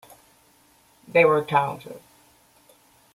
They were talented.